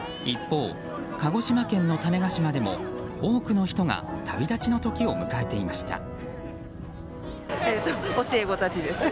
一方、鹿児島県の種子島でも多くの人が旅立ちの時を迎えていました。